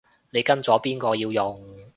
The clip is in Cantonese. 你跟咗邊個要用